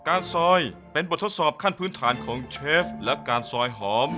ซอยเป็นบททดสอบขั้นพื้นฐานของเชฟและการซอยหอม